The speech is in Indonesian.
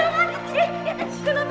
tunggu linda linda